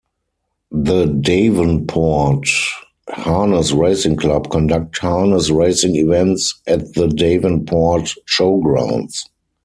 The Devonport Harness Racing Club conduct harness racing events at the Devonport Showgrounds.